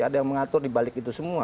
ada yang mengatur dibalik itu semua